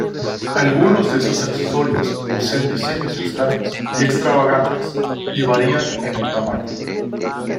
Algunos de estos accesorios poseen diseños extraños y extravagantes y varían en el tamaño.